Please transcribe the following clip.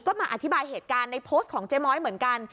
ก็มาอธิบายเหตุการณ์ในโพสต์ของเจ๊ม้อยเหมือนกัน